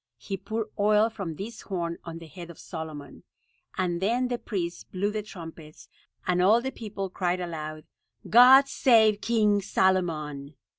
He poured oil from this horn on the head of Solomon, and then the priests blew the trumpets, and all the people cried aloud, "God save King Solomon."